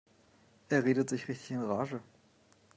Er redet sich richtig in Rage.